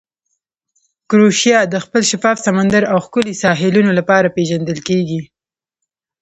کروشیا د خپل شفاف سمندر او ښکلې ساحلونو لپاره پېژندل کیږي.